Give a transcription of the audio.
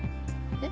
えっ？